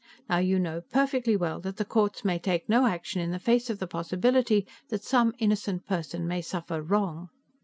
Now you know perfectly well that the courts may take no action in the face of the possibility that some innocent person may suffer wrong."